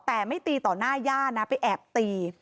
แต่ไม่ตีต่อหน้าย่านะไปแอบตี